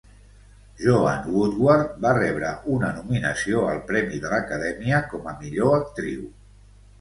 Joanne Woodward va rebre una nominació al Premi de l'Acadèmia com a millor actriu.